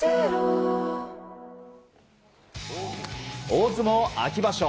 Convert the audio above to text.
大相撲秋場所。